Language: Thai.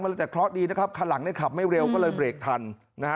เวลาแต่คลอสดีนะครับคันหลังได้ขับไม่เร็วก็เลยเบรกทันนะฮะ